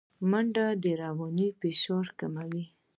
منډه د رواني فشار کموي